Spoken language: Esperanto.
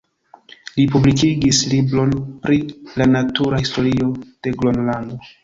Li publikigis libron pri la natura historio de Gronlando.